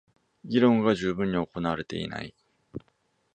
議論が充分に行われていない